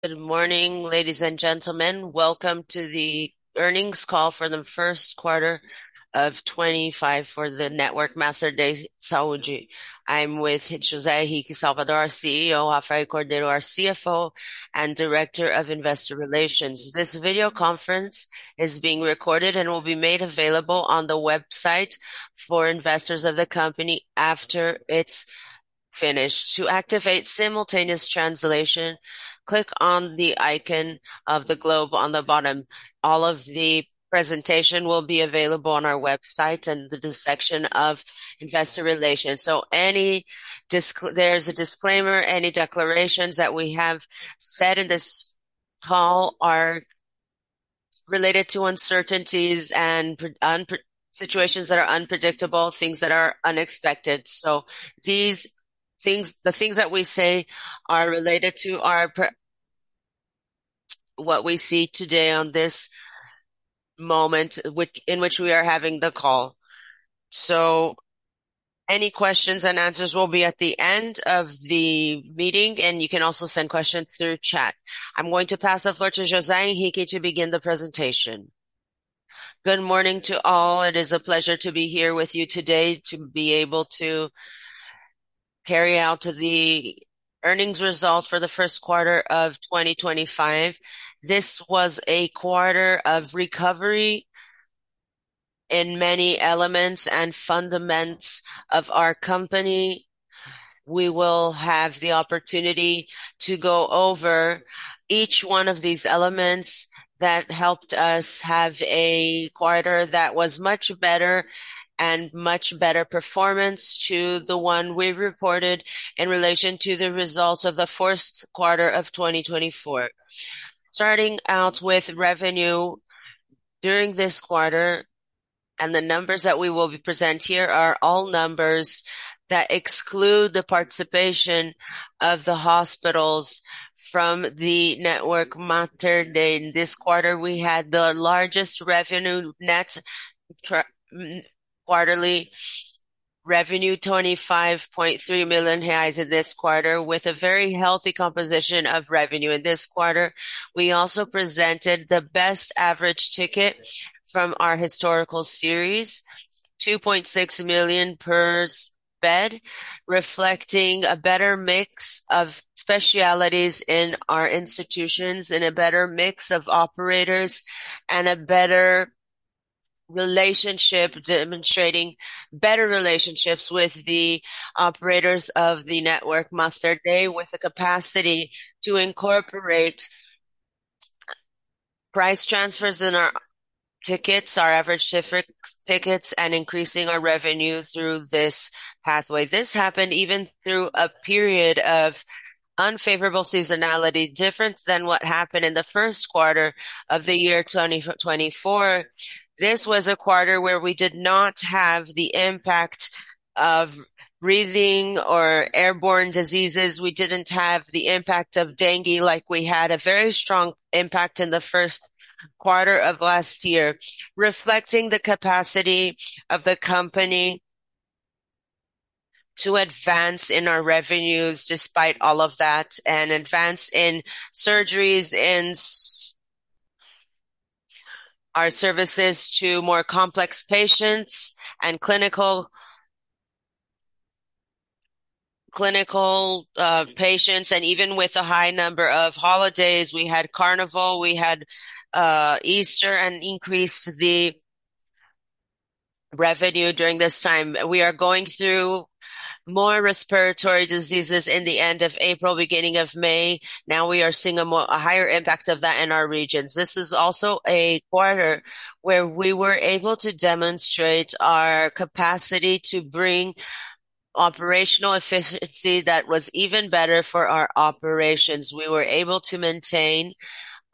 Good morning, ladies and gentlemen. Welcome to the earnings call for the First Quarter of 2025 for the Mater Dei de Saúde. I'm with José Henrique Salvador, CEO, Rafael Cordeiro, our CFO and Director of Investor Relations. This video conference is being recorded and will be made available on the website for investors of the company after it's finished. To activate simultaneous translation, click on the icon of the globe on the bottom. All of the presentation will be available on our website in the section of Investor Relations. There is a disclaimer: any declarations that we have said in this call are related to uncertainties and situations that are unpredictable, things that are unexpected. The things that we say are related to what we see today at this moment in which we are having the call. Any questions and answers will be at the end of the meeting, and you can also send questions through chat. I'm going to pass the floor to José Henrique to begin the presentation. Good morning to all. It is a pleasure to be here with you today to be able to carry out the earnings result for the First Quarter of 2025. This was a quarter of recovery in many elements and fundaments of our company. We will have the opportunity to go over each one of these elements that helped us have a quarter that was much better and much better performance to the one we reported in relation to the results of the Fourth Quarter of 2024. Starting out with revenue during this quarter, and the numbers that we will present here are all numbers that exclude the participation of the hospitals from the network Mater Dei. In this quarter, we had the largest net quarterly revenue, 25.3 million reais in this quarter, with a very healthy composition of revenue. In this quarter, we also presented the best average ticket from our historical series, 2.6 million per bed, reflecting a better mix of specialties in our institutions, a better mix of operators, and a better relationship, demonstrating better relationships with the operators of the network Mater Dei, with the capacity to incorporate price transfers in our tickets, our average tickets, and increasing our revenue through this pathway. This happened even through a period of unfavorable seasonality, different than what happened in the first quarter of the year 2024. This was a quarter where we did not have the impact of breathing or airborne diseases. We did not have the impact of dengue like we had a very strong impact in the first quarter of last year, reflecting the capacity of the company to advance in our revenues despite all of that, and advance in surgeries in our services to more complex patients and clinical patients. Even with a high number of holidays, we had Carnival, we had Easter, and increased the revenue during this time. We are going through more respiratory diseases in the end of April, beginning of May. Now we are seeing a higher impact of that in our regions. This is also a quarter where we were able to demonstrate our capacity to bring operational efficiency that was even better for our operations. We were able to maintain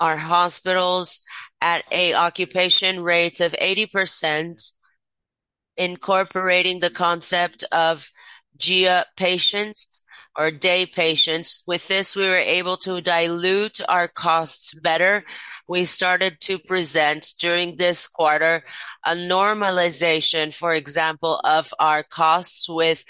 our hospitals at an occupation rate of 80%, incorporating the concept of GIA patients or day patients. With this, we were able to dilute our costs better. We started to present during this quarter a normalization, for example, of our costs with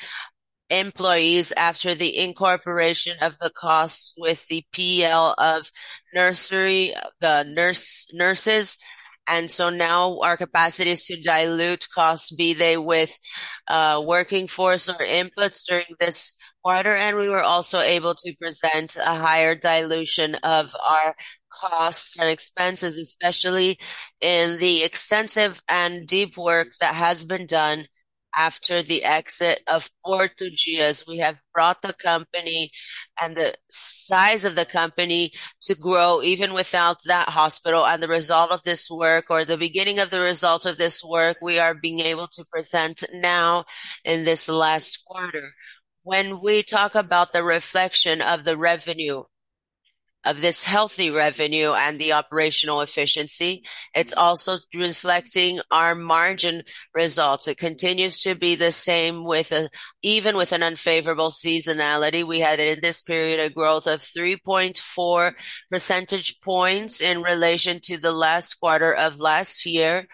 employees after the incorporation of the costs with the PL of nurses. Now our capacity is to dilute costs, be they with working force or inputs during this quarter. We were also able to present a higher dilution of our costs and expenses, especially in the extensive and deep work that has been done after the exit of Hospital Português. We have brought the company and the size of the company to grow even without that hospital. The result of this work, or the beginning of the result of this work, we are being able to present now in this last quarter. When we talk about the reflection of the revenue, of this healthy revenue and the operational efficiency, it's also reflecting our margin results. It continues to be the same even with an unfavorable seasonality. We had, in this period, a growth of 3.4 percentage points in relation to the last quarter of last year.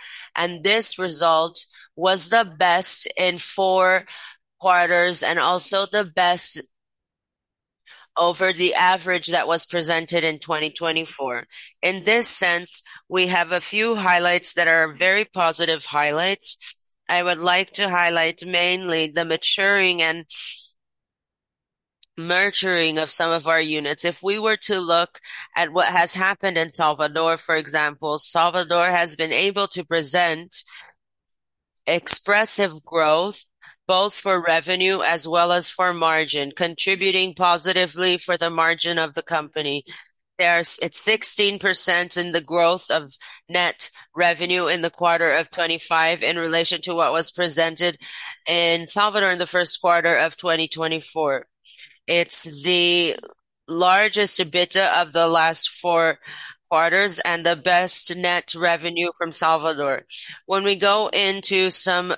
This result was the best in four quarters and also the best over the average that was presented in 2024. In this sense, we have a few highlights that are very positive highlights. I would like to highlight mainly the maturing and nurturing of some of our units. If we were to look at what has happened in Salvador, for example, Salvador has been able to present expressive growth both for revenue as well as for margin, contributing positively for the margin of the company. There's 16% in the growth of net revenue in the Quarter of 2025 in relation to what was presented in Salvador in the first Quarter of 2024. It's the largest EBITDA of the last four quarters and the best net revenue from Salvador. When we go into some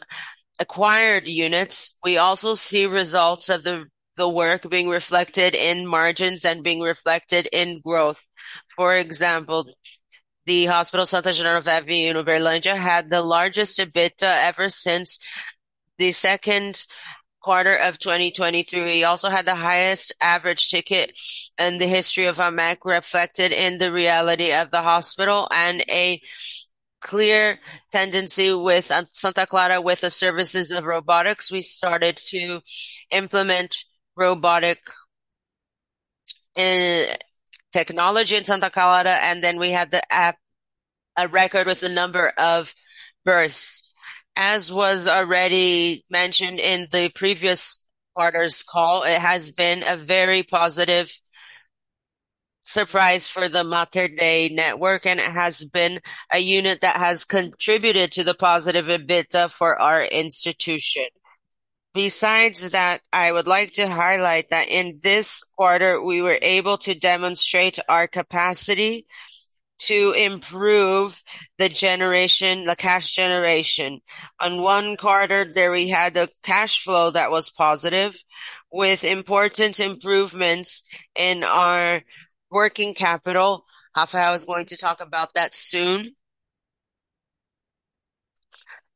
acquired units, we also see results of the work being reflected in margins and being reflected in growth. For example, the Hospital Santa Joana of Aveiro, Berlinger, had the largest EBITDA ever since the Second Quarter of 2023. We also had the highest average ticket in the history of EMEC reflected in the reality of the hospital and a clear tendency with Santa Clara with the services of robotics. We started to implement robotic technology in Santa Clara, and then we had a record with the number of births. As was already mentioned in the previous quarter's call, it has been a very positive surprise for the Mater Dei network, and it has been a unit that has contributed to the positive EBITDA for our institution. Besides that, I would like to highlight that in this quarter, we were able to demonstrate our capacity to improve the cash generation. On one quarter, we had a cash flow that was positive with important improvements in our working capital. Rafael is going to talk about that soon,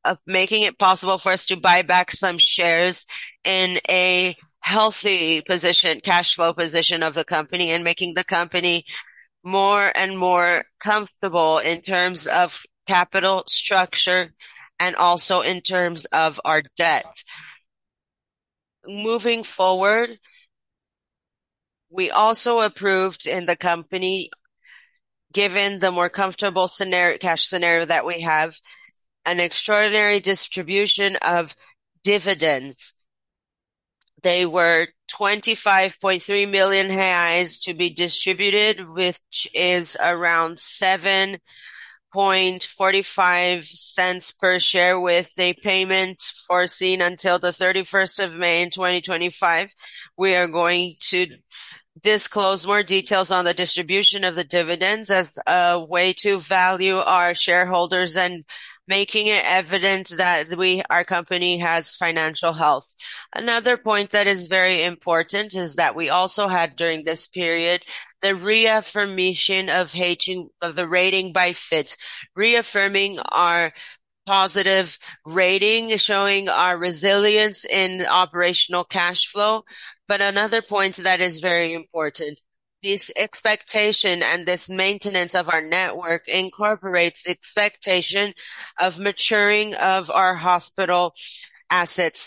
of making it possible for us to buy back some shares in a healthy position, cash flow position of the company, and making the company more and more comfortable in terms of capital structure and also in terms of our debt. Moving forward, we also approved in the company, given the more comfortable cash scenario that we have, an extraordinary distribution of dividends. They were 25.3 million reais to be distributed, which is around 0.0745 per share with a payment foreseen until the 31st of May 2025. We are going to disclose more details on the distribution of the dividends as a way to value our shareholders and making it evident that our company has financial health. Another point that is very important is that we also had during this period the reaffirmation of the rating by Fitch, reaffirming our positive rating, showing our resilience in operational cash flow. Another point that is very important, this expectation and this maintenance of our network incorporates the expectation of maturing of our hospital assets.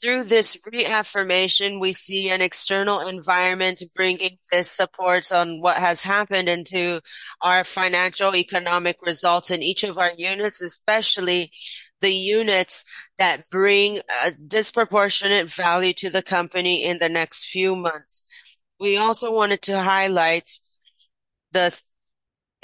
Through this reaffirmation, we see an external environment bringing this support on what has happened into our financial economic results in each of our units, especially the units that bring disproportionate value to the company in the next few months. We also wanted to highlight the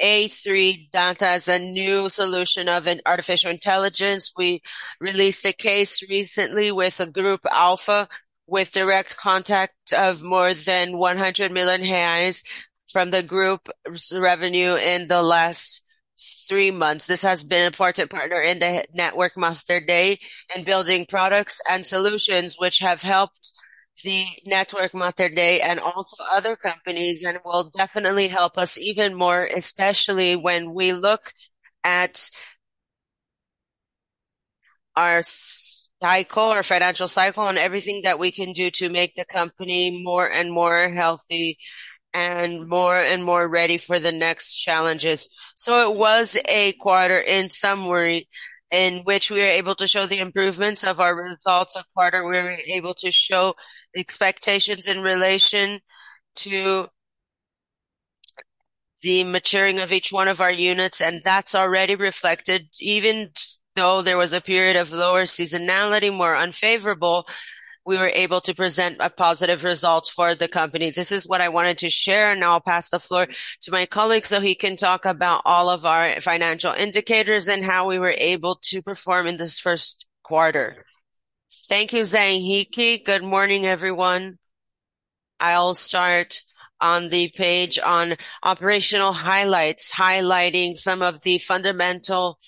A3Data as a new solution of artificial intelligence. We released a case recently with Grupo Alfa with direct contact of more than 100 million reais from the group's revenue in the last three months. This has been an important partner in the Rede Mater Dei and building products and solutions, which have helped the network Mater Dei and also other companies and will definitely help us even more, especially when we look at our cycle, our financial cycle, and everything that we can do to make the company more and more healthy and more and more ready for the next challenges. It was a quarter, in summary, in which we were able to show the improvements of our results of quarter. We were able to show expectations in relation to the maturing of each one of our units, and that's already reflected. Even though there was a period of lower seasonality, more unfavorable, we were able to present a positive result for the company. This is what I wanted to share, and now I'll pass the floor to my colleague so he can talk about all of our financial indicators and how we were able to perform in this First Quarter. Thank you, José Henrique. Good morning, everyone. I'll start on the page on operational highlights, highlighting some of the fundamental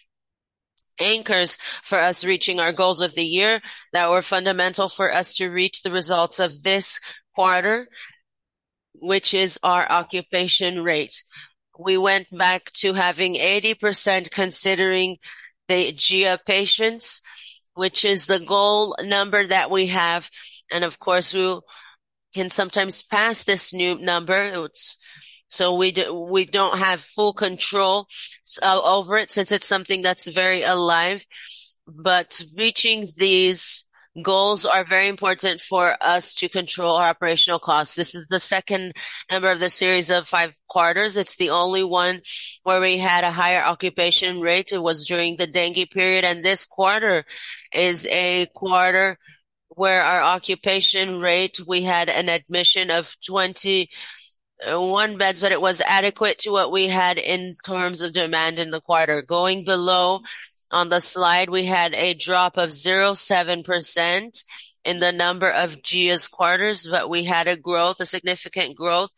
anchors for us reaching our goals of the year that were fundamental for us to reach the results of this quarter, which is our occupation rate. We went back to having 80% considering the GIA patients, which is the goal number that we have. Of course, we can sometimes pass this new number. We do not have full control over it since it is something that is very alive. Reaching these goals is very important for us to control our operational costs. This is the second number of the series of five quarters. It is the only one where we had a higher occupation rate. It was during the dengue period. This quarter is a quarter where our occupation rate, we had an admission of 21 beds, but it was adequate to what we had in terms of demand in the quarter. Going below on the slide, we had a drop of 0.7% in the number of GIA quarters, but we had a growth, a significant growth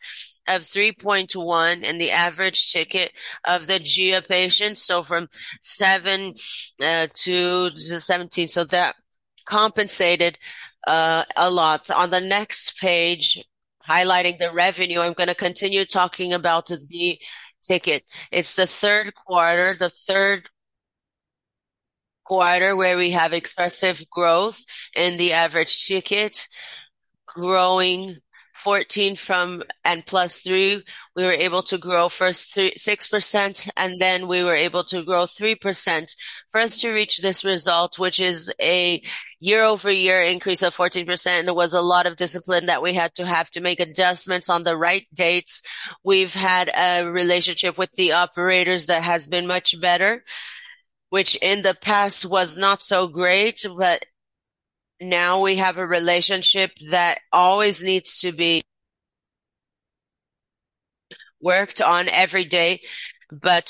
of 3.1 in the average ticket of the GIA patients, so from seven to 17. That compensated a lot. On the next page, highlighting the revenue, I'm going to continue talking about the ticket. It's the third quarter, the third quarter where we have expressive growth in the average ticket, growing 14 from and plus three. We were able to grow first 6%, and then we were able to grow 3% first to reach this result, which is a year-over-year increase of 14%. It was a lot of discipline that we had to have to make adjustments on the right dates. We've had a relationship with the operators that has been much better, which in the past was not so great, but now we have a relationship that always needs to be worked on every day.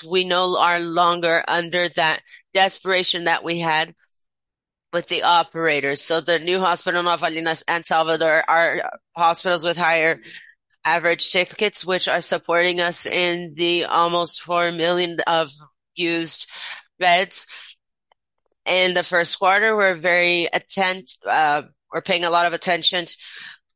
We no longer are under that desperation that we had with the operators. The new hospital in Nova Lima and Salvador are hospitals with higher average tickets, which are supporting us in the almost 4 million of used beds. In the first quarter, we're very attentive. We're paying a lot of attention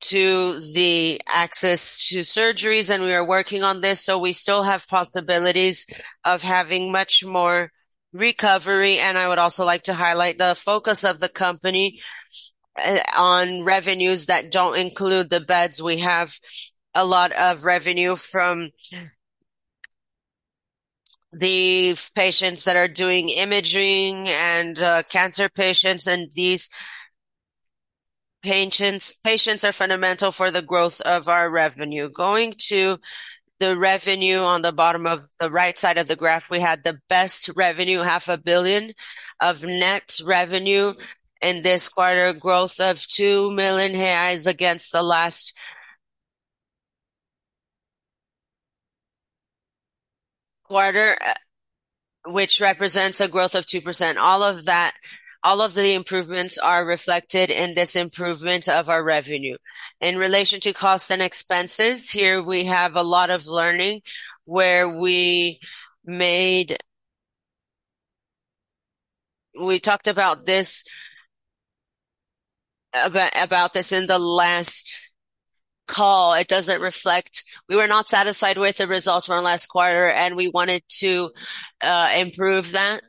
to the access to surgeries, and we are working on this. We still have possibilities of having much more recovery. I would also like to highlight the focus of the company on revenues that do not include the beds. We have a lot of revenue from the patients that are doing imaging and cancer patients, and these patients are fundamental for the growth of our revenue. Going to the revenue on the bottom of the right side of the graph, we had the best revenue, 500,000,000 of net revenue in this quarter, growth of 2,000,000 reais against the last quarter, which represents a growth of 2%. All of the improvements are reflected in this improvement of our revenue. In relation to costs and expenses, here we have a lot of learning where we talked about this in the last call. It does not reflect we were not satisfied with the results from last quarter, and we wanted to improve that.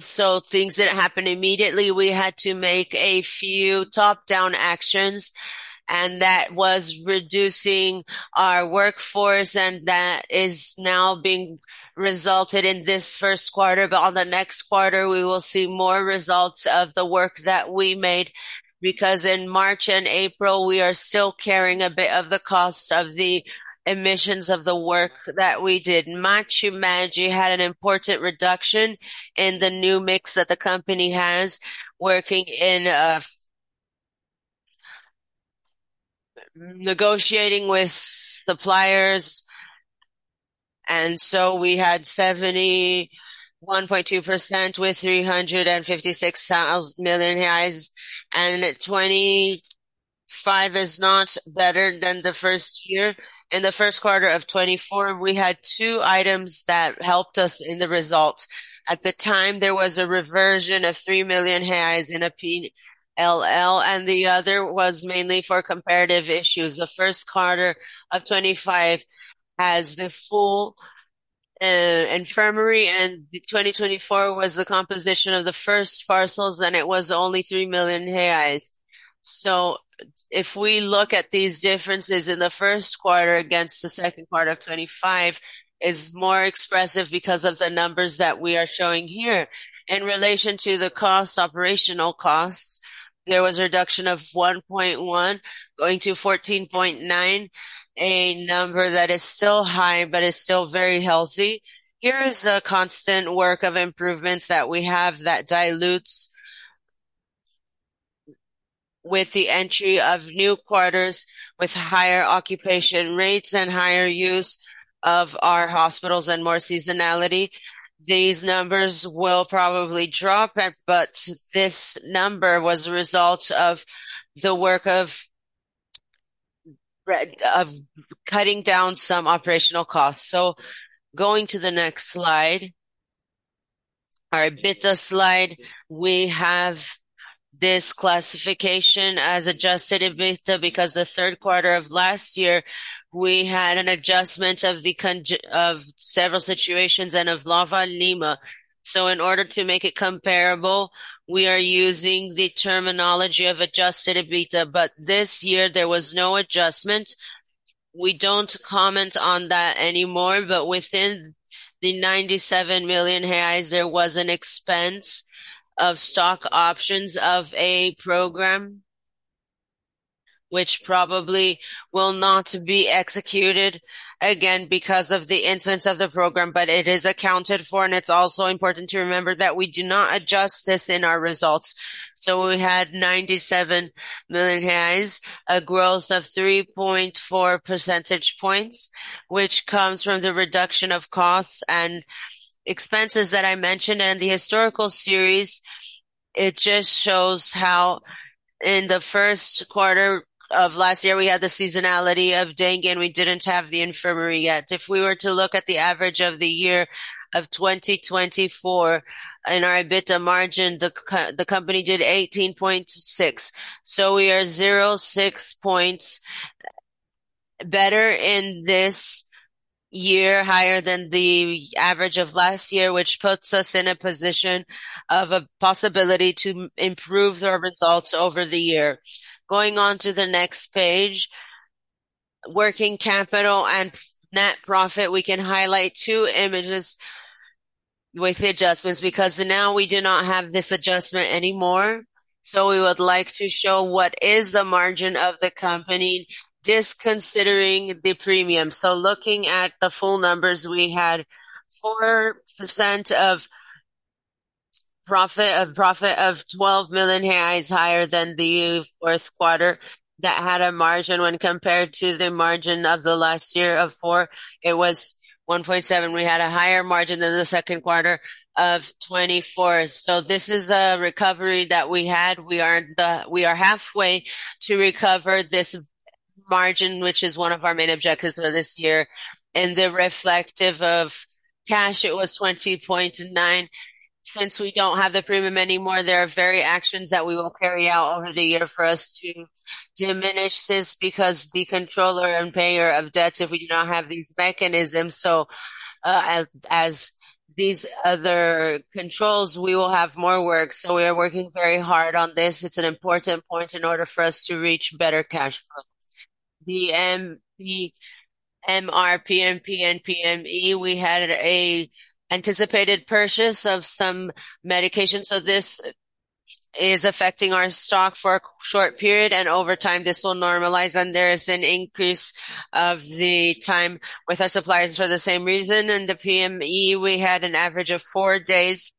Things did not happen immediately. We had to make a few top-down actions, and that was reducing our workforce, and that is now being resulted in this first quarter. On the next quarter, we will see more results of the work that we made because in March and April, we are still carrying a bit of the cost of the emissions of the work that we did. Macho Maggie had an important reduction in the new mix that the company has working in negotiating with suppliers. We had 71.2% with BRL 356 million, and 25 is not better than the first year. In the first quarter of 2024, we had two items that helped us in the result. At the time, there was a reversion of 3 million reais in a PLL, and the other was mainly for comparative issues. The first quarter of 2025 has the full infirmary, and 2024 was the composition of the first parcels, and it was only 3 million reais. If we look at these differences in the first quarter against the second quarter of 2025, it is more expressive because of the numbers that we are showing here. In relation to the cost, operational costs, there was a reduction of 1.1 going to 14.9, a number that is still high but is still very healthy. Here is the constant work of improvements that we have that dilutes with the entry of new quarters with higher occupation rates and higher use of our hospitals and more seasonality. These numbers will probably drop, but this number was the result of the work of cutting down some operational costs. Going to the next slide, our EBITDA slide, we have this classification as adjusted EBITDA because the third quarter of last year, we had an adjustment of several situations and of Nova Lima. In order to make it comparable, we are using the terminology of adjusted EBITDA, but this year, there was no adjustment. We do not comment on that anymore, but within the 97 million reais, there was an expense of stock options of a program, which probably will not be executed again because of the incidence of the program, but it is accounted for. It is also important to remember that we do not adjust this in our results. We had 97 million, a growth of 3.4 percentage points, which comes from the reduction of costs and expenses that I mentioned. The historical series just shows how in the first quarter of last year, we had the seasonality of dengue, and we did not have the infirmary yet. If we were to look at the average of the year of 2024 in our EBITDA margin, the company did 18.6. We are 0.6 points better in this year, higher than the average of last year, which puts us in a position of a possibility to improve the results over the year. Going on to the next page, working capital and net profit, we can highlight two images with the adjustments because now we do not have this adjustment anymore. We would like to show what is the margin of the company disconsidering the premium. Looking at the full numbers, we had 4% of profit of 12 million reais higher than the fourth quarter that had a margin when compared to the margin of last year of four. It was 1.7. We had a higher margin than the second quarter of 2024. This is a recovery that we had. We are halfway to recover this margin, which is one of our main objectives for this year. In the reflective of cash, it was 20.9 million. Since we do not have the premium anymore, there are various actions that we will carry out over the year for us to diminish this because the controller and payer of debts, if we do not have these mechanisms, as these other controls, we will have more work. We are working very hard on this. It's an important point in order for us to reach better cash flow. The MRP and PNPME, we had an anticipated purchase of some medication. This is affecting our stock for a short period, and over time, this will normalize. There is an increase of the time with our suppliers for the same reason. In the PME, we had an average of four days,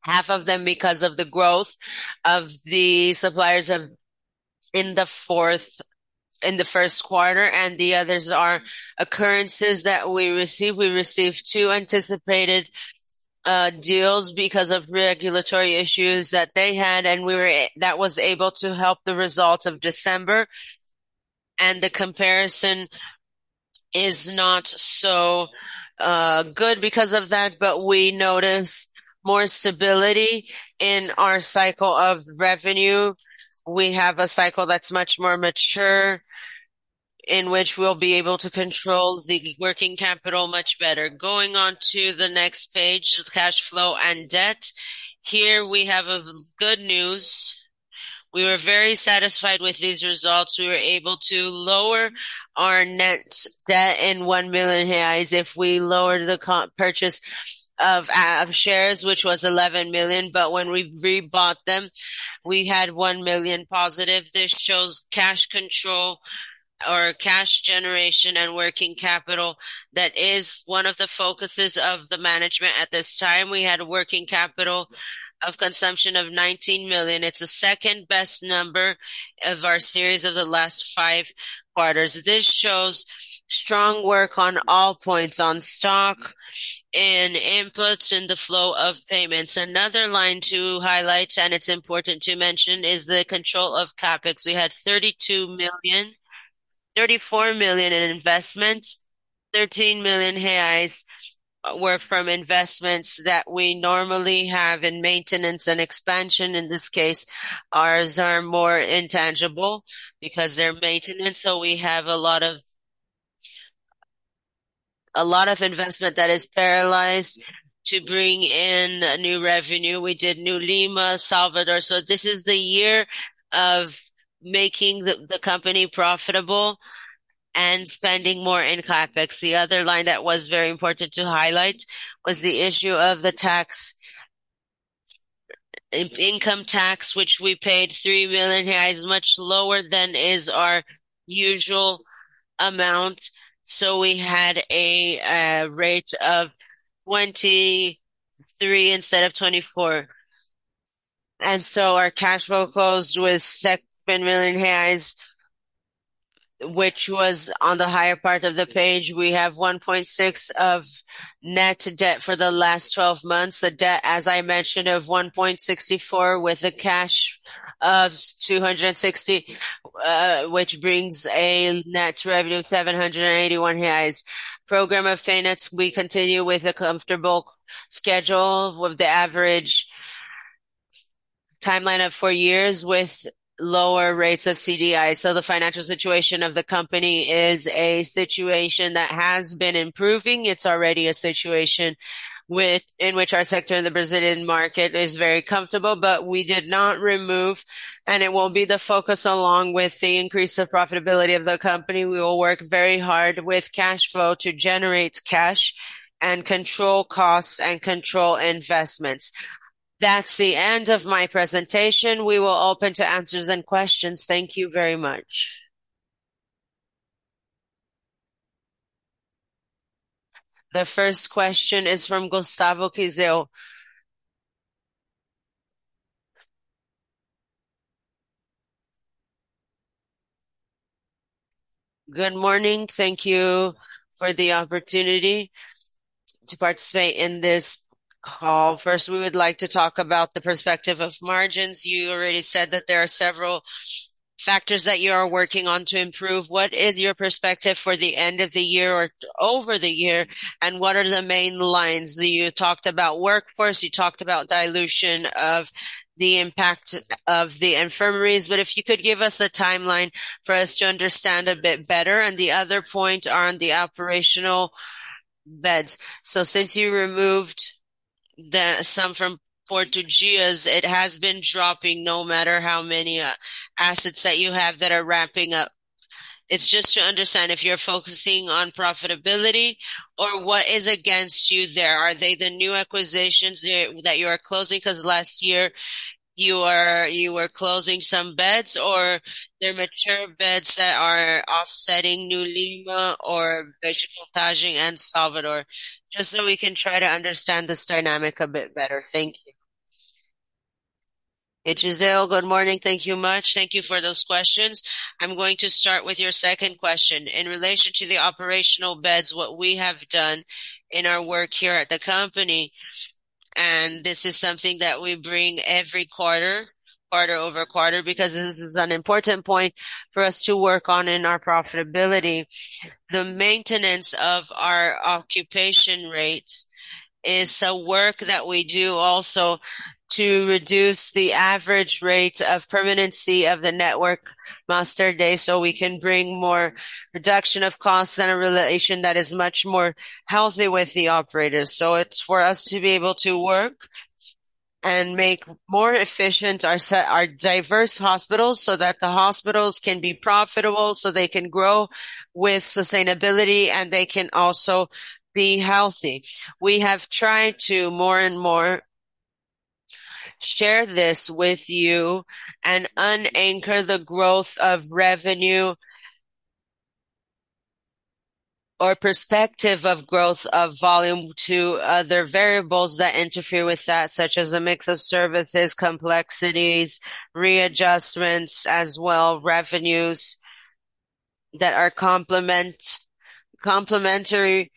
half of them because of the growth of the suppliers in the first quarter. The others are occurrences that we received. We received two anticipated deals because of regulatory issues that they had, and that was able to help the result of December. The comparison is not so good because of that, but we noticed more stability in our cycle of revenue. We have a cycle that's much more mature in which we'll be able to control the working capital much better. Going on to the next page, cash flow and debt. Here we have good news. We were very satisfied with these results. We were able to lower our net debt in 1 million reais if we lowered the purchase of shares, which was 11 million. When we rebought them, we had 1 million positive. This shows cash control or cash generation and working capital that is one of the focuses of the management at this time. We had a working capital consumption of 19 million. It is the second best number of our series of the last five quarters. This shows strong work on all points on stock and inputs in the flow of payments. Another line to highlight, and it is important to mention, is the control of CapEx. We had 34 million in investment. 13 million reais were from investments that we normally have in maintenance and expansion. In this case, ours are more intangible because they're maintenance. We have a lot of investment that is paralyzed to bring in new revenue. We did Nova Lima, Salvador. This is the year of making the company profitable and spending more in CapEx. The other line that was very important to highlight was the issue of the income tax, which we paid 3 million, much lower than is our usual amount. We had a rate of 23% instead of 24%. Our cash flow closed with 7 million reais, which was on the higher part of the page. We have 1.6 of net debt for the last 12 months. The debt, as I mentioned, of 1.64 with a cash of 260, which brings a net revenue of 781 reais. Program of finance, we continue with a comfortable schedule with the average timeline of four years with lower rates of CDI. The financial situation of the company is a situation that has been improving. It is already a situation in which our sector in the Brazilian market is very comfortable, but we did not remove, and it will be the focus along with the increase of profitability of the company. We will work very hard with cash flow to generate cash and control costs and control investments. That is the end of my presentation. We will open to answers and questions. Thank you very much. The first question is from Gustavo Quiseo. Good morning. Thank you for the opportunity to participate in this call. First, we would like to talk about the perspective of margins. You already said that there are several factors that you are working on to improve. What is your perspective for the end of the year or over the year? What are the main lines? You talked about workforce. You talked about dilution of the impact of the infirmaries. If you could give us a timeline for us to understand a bit better. The other point on the operational beds. Since you removed some from Hospital Português, it has been dropping no matter how many assets that you have that are ramping up. It is just to understand if you are focusing on profitability or what is against you there. Are they the new acquisitions that you are closing? Because last year, you were closing some beds, or they are mature beds that are offsetting Nova Lima or Vejo Fantasia and Salvador. Just so we can try to understand this dynamic a bit better. Thank you. Echezeo, good morning. Thank you much. Thank you for those questions. I'm going to start with your second question. In relation to the operational beds, what we have done in our work here at the company, and this is something that we bring every quarter, quarter over quarter, because this is an important point for us to work on in our profitability. The maintenance of our occupation rate is a work that we do also to reduce the average rate of permanency of the Rede Mater Dei so we can bring more reduction of costs and a relation that is much more healthy with the operators. It is for us to be able to work and make more efficient our diverse hospitals so that the hospitals can be profitable, so they can grow with sustainability, and they can also be healthy. We have tried to more and more share this with you and unanchor the growth of revenue or perspective of growth of volume to other variables that interfere with that, such as a mix of services, complexities, readjustments as well, revenues that are complementary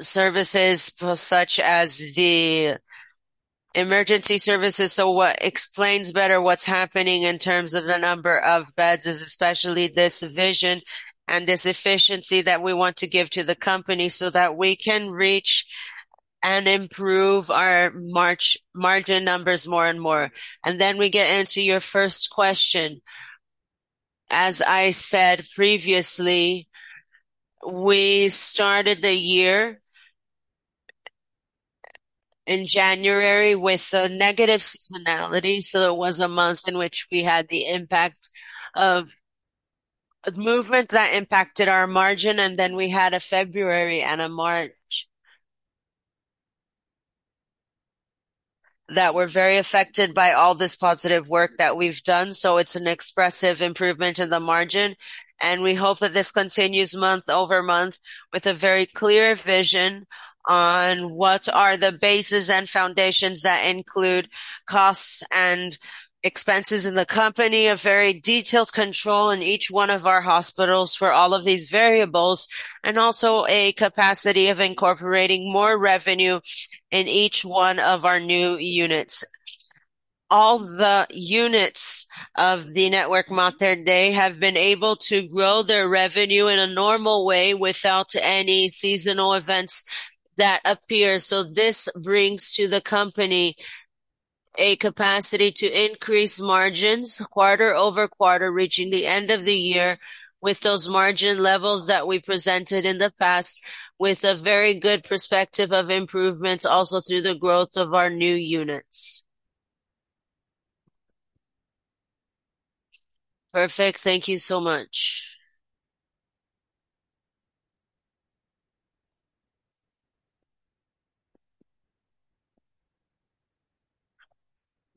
services such as the emergency services. What explains better what is happening in terms of the number of beds is especially this vision and this efficiency that we want to give to the company so that we can reach and improve our margin numbers more and more. We get into your first question. As I said previously, we started the year in January with a negative seasonality. There was a month in which we had the impact of movement that impacted our margin, and then we had a February and a March that were very affected by all this positive work that we've done. It is an expressive improvement in the margin, and we hope that this continues month over month with a very clear vision on what are the bases and foundations that include costs and expenses in the company, a very detailed control in each one of our hospitals for all of these variables, and also a capacity of incorporating more revenue in each one of our new units. All the units of the network Mater Dei have been able to grow their revenue in a normal way without any seasonal events that appear. This brings to the company a capacity to increase margins quarter over quarter, reaching the end of the year with those margin levels that we presented in the past, with a very good perspective of improvements also through the growth of our new units. Perfect. Thank you so much.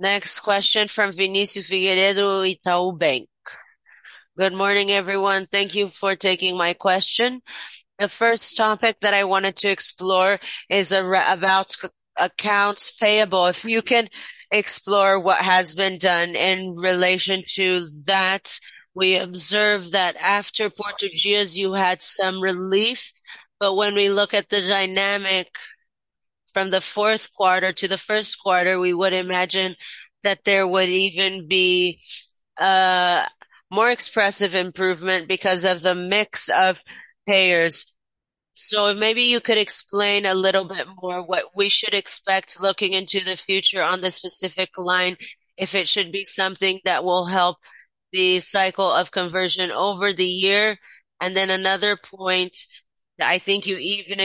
Next question from Vinicius Figueiredo of Itaú BBA. Good morning, everyone. Thank you for taking my question. The first topic that I wanted to explore is about accounts payable. If you can explore what has been done in relation to that, we observed that after Hospital Português, you had some relief. When we look at the dynamic from the fourth quarter to the first quarter, we would imagine that there would even be more expressive improvement because of the mix of payers. Maybe you could explain a little bit more what we should expect looking into the future on the specific line, if it should be something that will help the cycle of conversion over the year. Another point that I think you even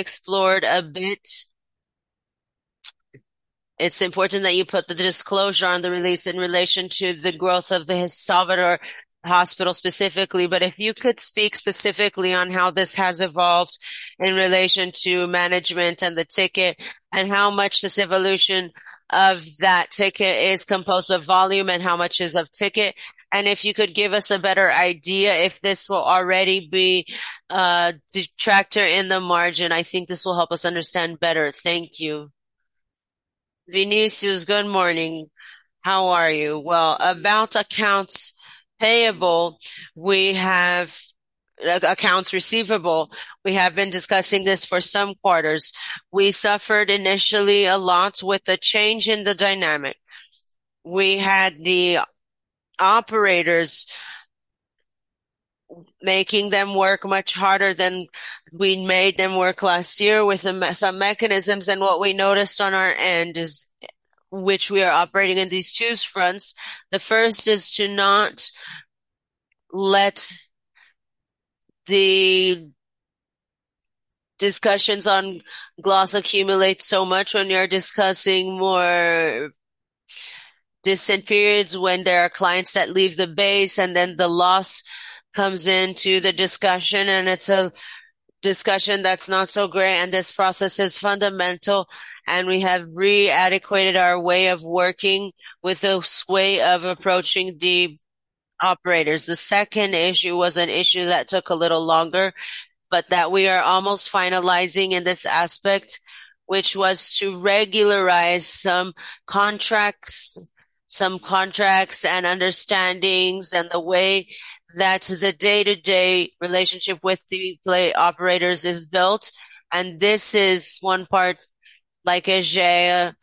explored a bit. It's important that you put the disclosure on the release in relation to the growth of the Salvador hospital specifically. If you could speak specifically on how this has evolved in relation to management and the ticket, and how much this evolution of that ticket is composed of volume and how much is of ticket. If you could give us a better idea if this will already be a detractor in the margin, I think this will help us understand better. Thank you. Vinícius, good morning. How are you? About accounts payable, we have accounts receivable. We have been discussing this for some quarters. We suffered initially a lot with the change in the dynamic. We had the operators making them work much harder than we made them work last year with some mechanisms. What we noticed on our end, which we are operating in these two fronts, the first is to not let the discussions on gloss accumulate so much when you are discussing more distant periods when there are clients that leave the base, and then the loss comes into the discussion, and it is a discussion that is not so great. This process is fundamental, and we have re-adequated our way of working with the way of approaching the operators. The second issue was an issue that took a little longer, but that we are almost finalizing in this aspect, which was to regularize some contracts, some contracts and understandings, and the way that the day-to-day relationship with the operators is built. This is one part, like Egeia,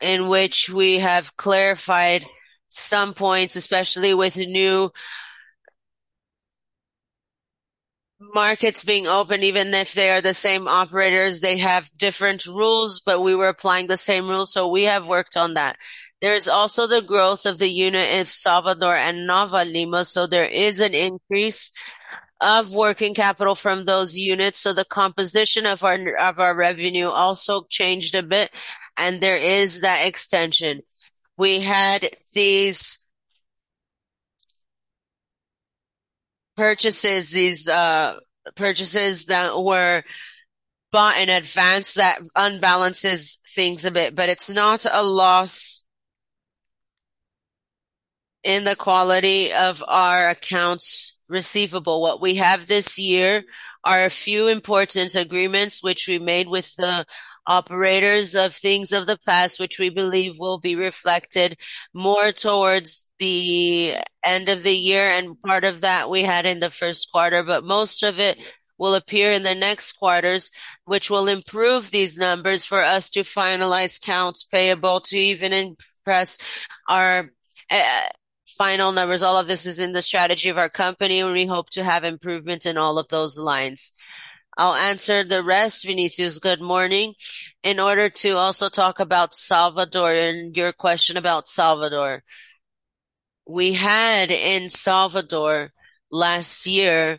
in which we have clarified some points, especially with new markets being open. Even if they are the same operators, they have different rules, but we were applying the same rules. We have worked on that. There is also the growth of the unit in Salvador and Nova Lima. There is an increase of working capital from those units. The composition of our revenue also changed a bit, and there is that extension. We had these purchases, these purchases that were bought in advance that unbalances things a bit, but it's not a loss in the quality of our accounts receivable. What we have this year are a few important agreements which we made with the operators of things of the past, which we believe will be reflected more towards the end of the year. Part of that we had in the first quarter, but most of it will appear in the next quarters, which will improve these numbers for us to finalize accounts payable, to even impress our final numbers. All of this is in the strategy of our company, and we hope to have improvement in all of those lines. I'll answer the rest, Vinícius. Good morning. In order to also talk about Salvador and your question about Salvador, we had in Salvador last year,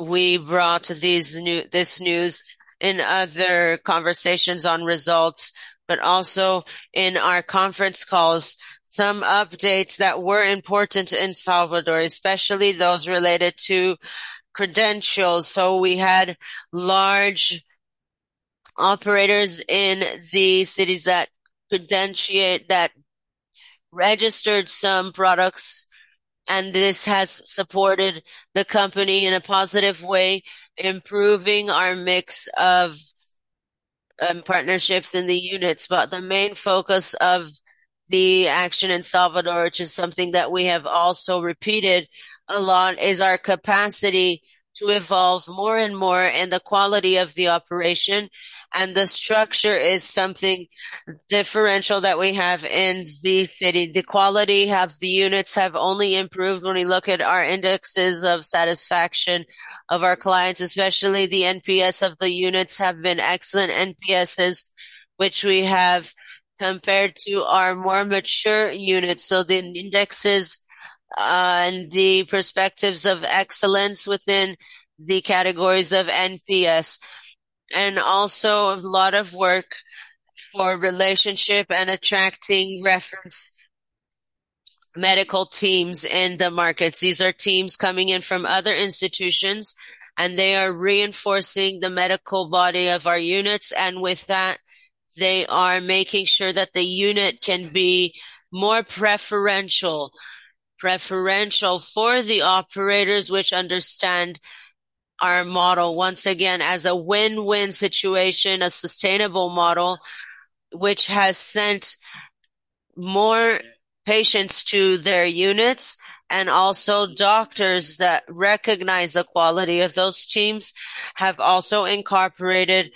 we brought this news in other conversations on results, but also in our conference calls, some updates that were important in Salvador, especially those related to credentials. We had large operators in the cities that registered some products, and this has supported the company in a positive way, improving our mix of partnerships in the units. The main focus of the action in Salvador, which is something that we have also repeated a lot, is our capacity to evolve more and more in the quality of the operation. The structure is something differential that we have in the city. The quality of the units has only improved when we look at our indexes of satisfaction of our clients, especially the NPS of the units have been excellent NPSs, which we have compared to our more mature units. The indexes and the perspectives of excellence within the categories of NPS, and also a lot of work for relationship and attracting reference medical teams in the markets. These are teams coming in from other institutions, and they are reinforcing the medical body of our units. With that, they are making sure that the unit can be more preferential for the operators, which understand our model. Once again, as a win-win situation, a sustainable model, which has sent more patients to their units, and also doctors that recognize the quality of those teams have also incorporated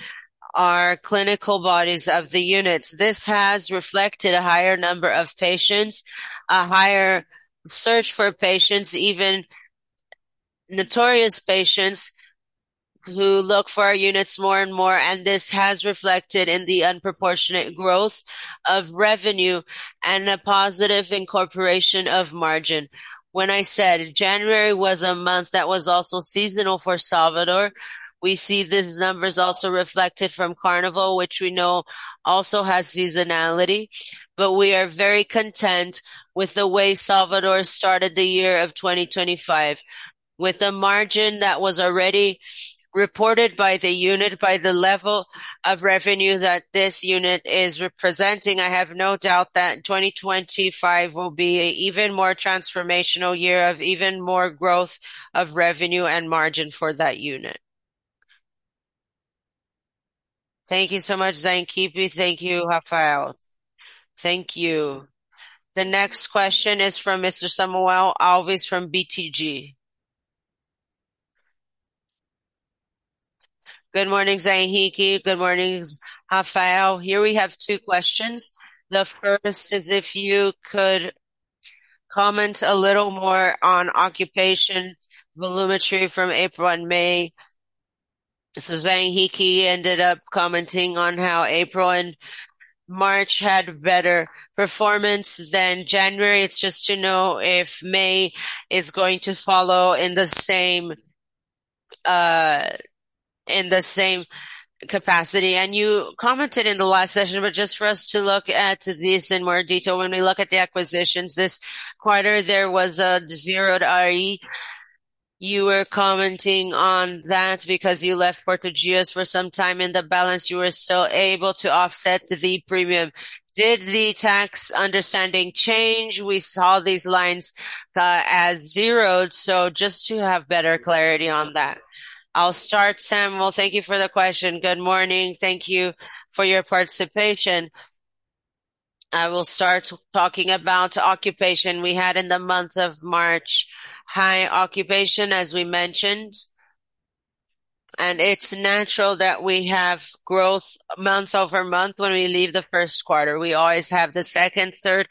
our clinical bodies of the units. This has reflected a higher number of patients, a higher search for patients, even notorious patients who look for our units more and more. This has reflected in the unproportionate growth of revenue and a positive incorporation of margin. When I said January was a month that was also seasonal for Salvador, we see these numbers also reflected from Carnival, which we know also has seasonality. We are very content with the way Salvador started the year of 2025, with a margin that was already reported by the unit by the level of revenue that this unit is representing. I have no doubt that 2025 will be an even more transformational year of even more growth of revenue and margin for that unit. Thank you so much, José Henrique. Thank you, Rafael. Thank you. The next question is from Mr. Samuel Alves from BTG Pactual. Good morning, José Henrique. I will start talking about occupation we had in the month of March. High occupation, as we mentioned. It is natural that we have growth month over month when we leave the first quarter. We always have the second, third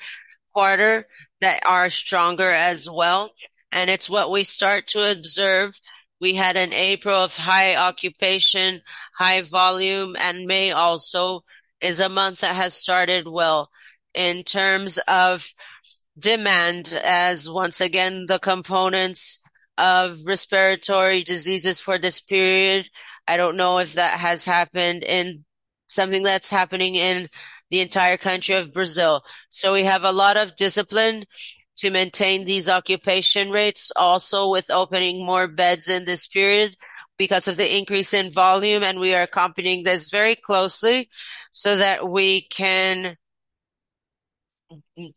quarter that are stronger as well. It is what we start to observe. We had an April of high occupation, high volume, and May also is a month that has started well in terms of demand, as once again, the components of respiratory diseases for this period. I do not know if that has happened in something that is happening in the entire country of Brazil. We have a lot of discipline to maintain these occupation rates, also with opening more beds in this period because of the increase in volume. We are accompanying this very closely so that we can do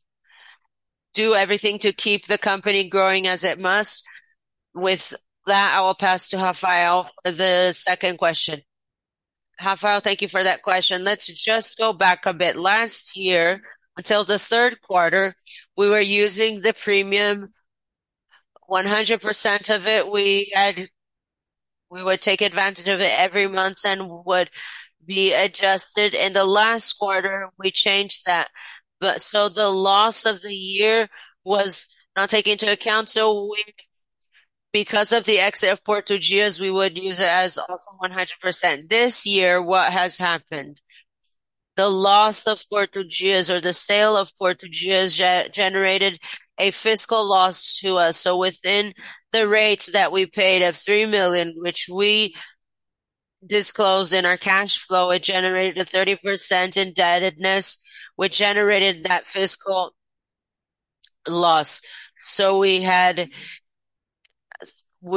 everything to keep the company growing as it must. With that, I will pass to Rafael the second question. Rafael, thank you for that question. Let's just go back a bit. Last year, until the third quarter, we were using the premium 100% of it. We would take advantage of it every month and would be adjusted. In the last quarter, we changed that. The loss of the year was not taken into account. Because of the exit of Hospital Português, we would use it as also 100%. This year, what has happened? The loss of Hospital Português or the sale of Hospital Português generated a fiscal loss to us. Within the rate that we paid of 3 million, which we disclosed in our cash flow, it generated a 30% indebtedness, which generated that fiscal loss. We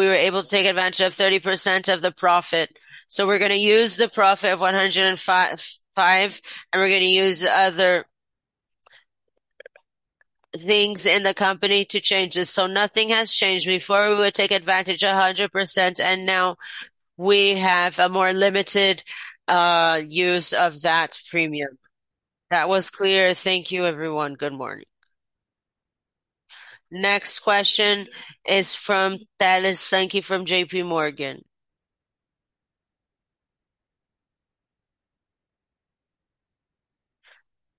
were able to take advantage of 30% of the profit. We are going to use the profit of 105, and we are going to use other things in the company to change this. Nothing has changed. Before, we would take advantage of 100%, and now we have a more limited use of that premium. That was clear. Thank you, everyone. Good morning. Next question is from Thalys Zanon from JPMorgan.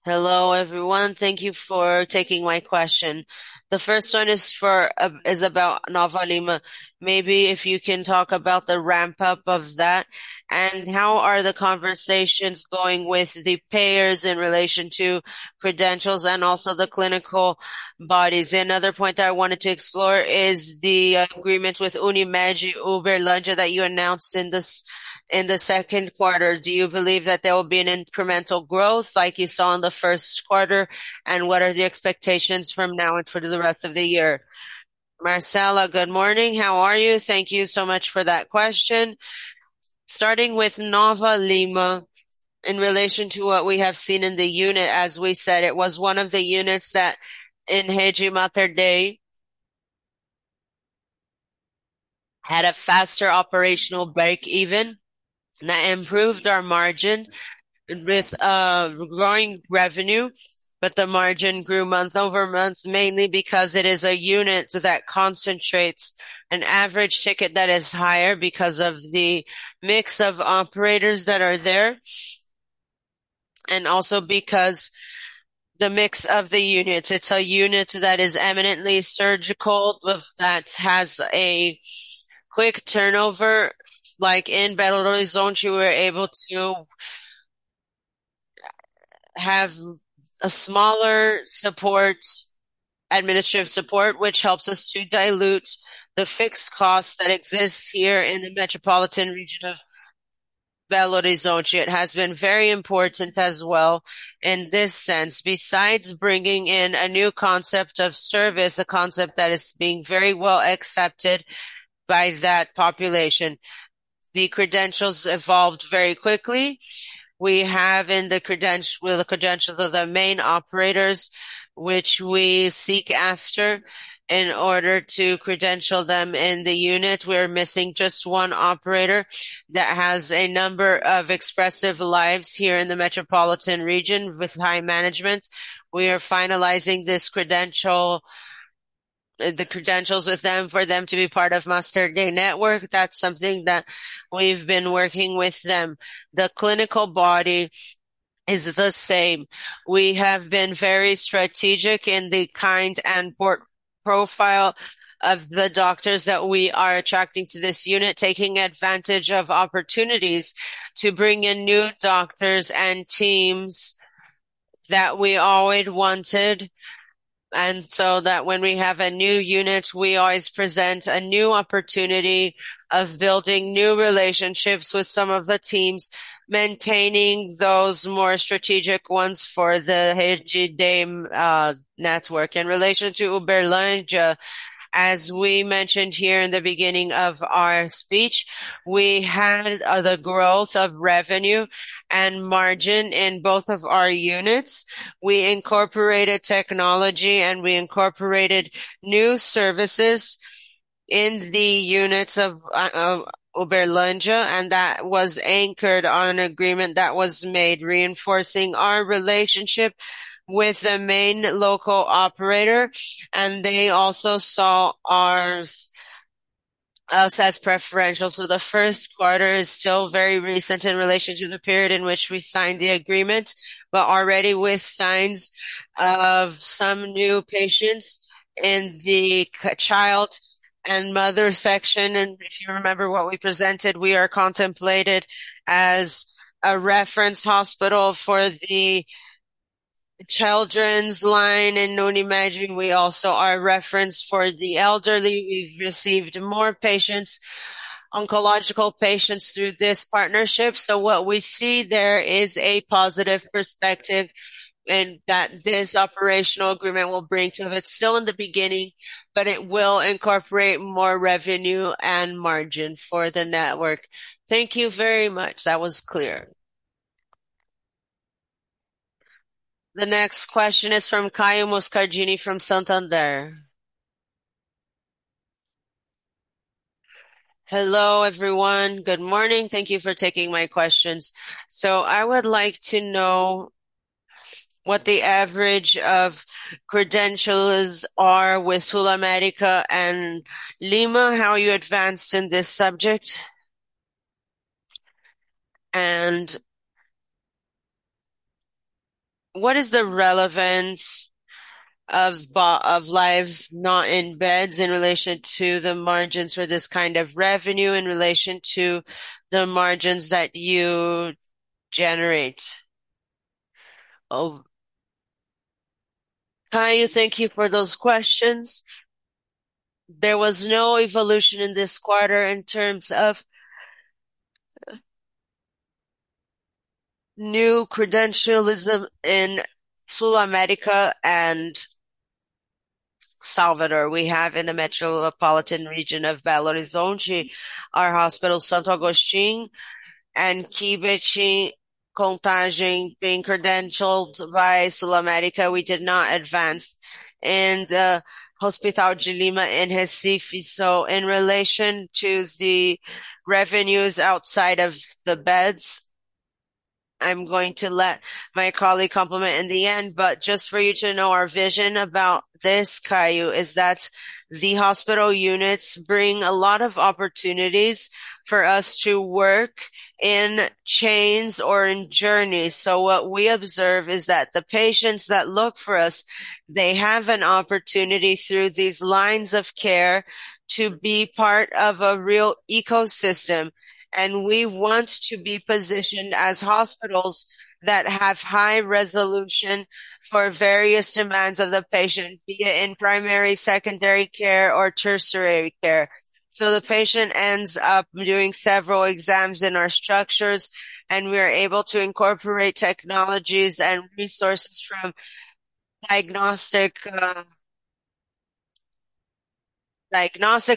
Hello, everyone. Thank you for taking my question. The first one is about Nova Lima. Maybe if you can talk about the ramp-up of that and how are the conversations going with the payers in relation to credentials and also the clinical bodies. Another point that I wanted to explore is the agreement with Unimed Uberlândia that you announced in the second quarter. Do you believe that there will be an incremental growth like you saw in the first quarter? What are the expectations from now and for the rest of the year? Marcela, good morning. How are you? Thank you so much for that question. Starting with Nova Lima, in relation to what we have seen in the unit, as we said, it was one of the units that in Rede Mater Dei had a faster operational break even that improved our margin with growing revenue, but the margin grew month over month, mainly because it is a unit that concentrates an average ticket that is higher because of the mix of operators that are there and also because the mix of the unit. It is a unit that is eminently surgical that has a quick turnover. Like in Belo Horizonte, we were able to have a smaller administrative support, which helps us to dilute the fixed costs that exist here in the Metropolitan Region of Belo Horizonte. It has been very important as well in this sense. Besides bringing in a new concept of service, a concept that is being very well accepted by that population, the credentials evolved very quickly. We have in the credentials of the main operators, which we seek after in order to credential them in the unit. We are missing just one operator that has a number of expressive lives here in the metropolitan region with high management. We are finalizing the credentials with them for them to be part of Mater Dei Network. That's something that we've been working with them. The clinical body is the same. We have been very strategic in the kind and profile of the doctors that we are attracting to this unit, taking advantage of opportunities to bring in new doctors and teams that we always wanted. When we have a new unit, we always present a new opportunity of building new relationships with some of the teams, maintaining those more strategic ones for the Rede Mater Dei de Saúde Network. In relation to Uberlândia, as we mentioned here in the beginning of our speech, we had the growth of revenue and margin in both of our units. We incorporated technology and we incorporated new services in the units of Uberlândia, and that was anchored on an agreement that was made, reinforcing our relationship with the main local operator. They also saw us as preferential. The first quarter is still very recent in relation to the period in which we signed the agreement, but already with signs of some new patients in the child and mother section. If you remember what we presented, we are contemplated as a reference hospital for the children's line in Unimed Uberlândia. We also are a reference for the elderly. We have received more patients, oncological patients through this partnership. What we see there is a positive perspective in that this operational agreement will bring to it. It is still in the beginning, but it will incorporate more revenue and margin for the network. Thank you very much. That was clear. The next question is from Caio Moscardini from Santander. Hello, everyone. Good morning. Thank you for taking my questions. I would like to know what the average of credentials are with Hapvida and Lima, how you advanced in this subject, and what is the relevance of lives not in beds in relation to the margins for this kind of revenue in relation to the margins that you generate? Caio, thank you for those questions. There was no evolution in this quarter in terms of new credentialing in Hapvida and Salvador. We have in the Metropolitan Region of Belo Horizonte, our hospital, Santo Agostinho, and Queen Contágio being credentialed by Hapvida. We did not advance in the Hospital de Lima in Recife. In relation to the revenues outside of the beds, I am going to let my colleague complement in the end. Just for you to know, our vision about this, Caio, is that the hospital units bring a lot of opportunities for us to work in chains or in journeys. What we observe is that the patients that look for us, they have an opportunity through these lines of care to be part of a real ecosystem. We want to be positioned as hospitals that have high resolution for various demands of the patient, be it in primary, secondary care, or tertiary care. The patient ends up doing several exams in our structures, and we are able to incorporate technologies and resources from diagnostic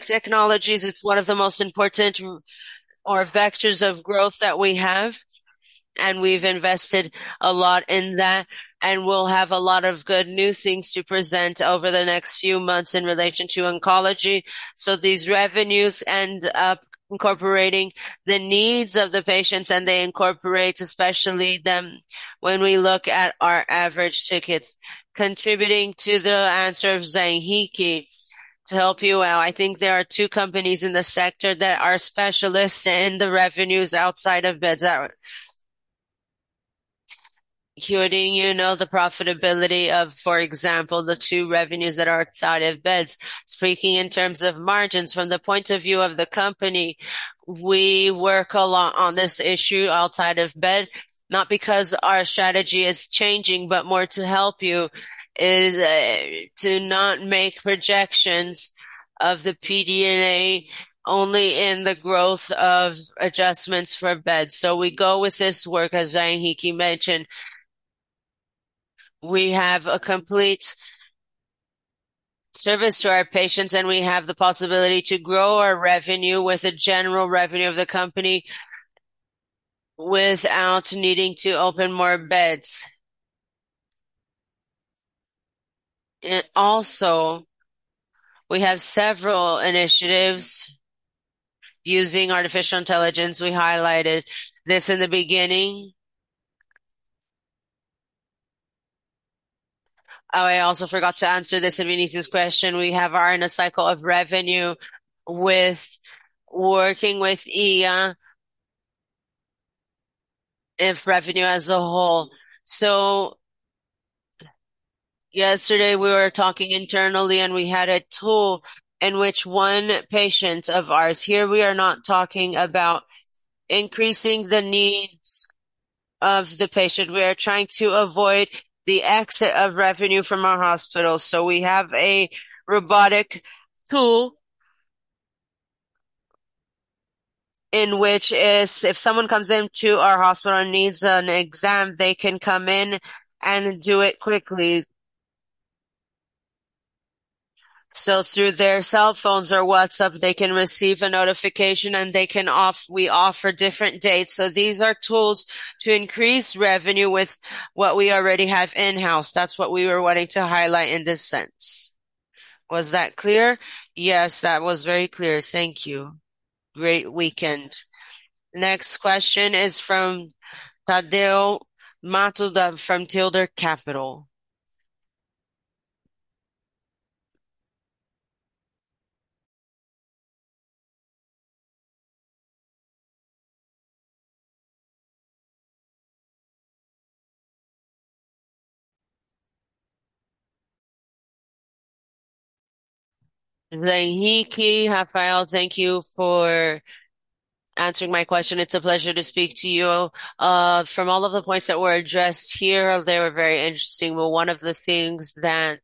technologies. It is one of the most important vectors of growth that we have, and we have invested a lot in that. We will have a lot of good new things to present over the next few months in relation to oncology. These revenues and incorporating the needs of the patients, and they incorporate especially them when we look at our average tickets, contributing to the answer of Zahinkipi to help you out. I think there are two companies in the sector that are specialists in the revenues outside of beds. You know the profitability of, for example, the two revenues that are outside of beds. Speaking in terms of margins, from the point of view of the company, we work a lot on this issue outside of bed, not because our strategy is changing, but more to help you is to not make projections of the PDNA only in the growth of adjustments for beds. We go with this work, as Zahinkipi mentioned. We have a complete service to our patients, and we have the possibility to grow our revenue with the general revenue of the company without needing to open more beds. We also have several initiatives using artificial intelligence. We highlighted this in the beginning. Oh, I also forgot to answer this underneath this question. We have our inner cycle of revenue with working with AI if revenue as a whole. Yesterday, we were talking internally, and we had a tool in which one patient of ours here, we are not talking about increasing the needs of the patient. We are trying to avoid the exit of revenue from our hospital. We have a robotic tool in which if someone comes into our hospital and needs an exam, they can come in and do it quickly. Through their cell phones or WhatsApp, they can receive a notification, and we offer different dates. These are tools to increase revenue with what we already have in-house. That is what we were wanting to highlight in this sense. Was that clear? Yes, that was very clear. Thank you. Great weekend. Next question is from Tadeo Matuda from Tilden Capital. Zahinkipi, Rafael, thank you for answering my question. It's a pleasure to speak to you. From all of the points that were addressed here, they were very interesting. One of the things that